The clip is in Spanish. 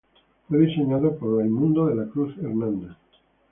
Fue diseñado por Raymundo De la Cruz Hernández.